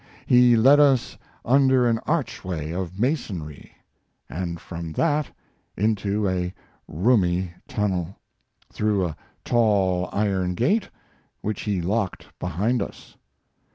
He led us under an archway of masonry, and from that into a roomy tunnel, through a tall iron gate, which he locked behind us.